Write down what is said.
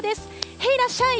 へいらっしゃい！